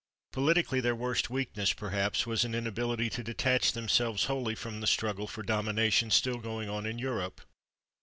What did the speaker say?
Politically, their worst weakness, perhaps, was an inability to detach themselves wholly from the struggle for domination still going on in Europe.